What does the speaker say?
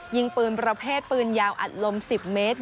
ยิงปืนประเภทปืนยาวอัดลม๑๐เมตร